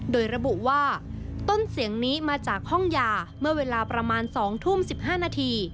โดยระบุว่าต้นเสียงนี้มาจากห้องยาเมื่อเวลาประมาณ๒ทุ่ม๑๕นาที